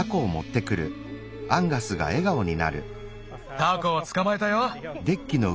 タコをつかまえたよ。